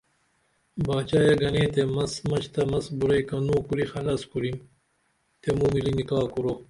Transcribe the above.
باچائے گنے تے مس مچ تہ مس بُرعی کنو کُری خلس کُریم تہ موملی نکاح کُرو